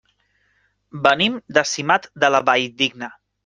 Venim de Simat de la Valldigna.